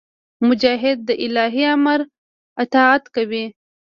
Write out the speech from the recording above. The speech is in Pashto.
مجاهد د الهي امر اطاعت کوي.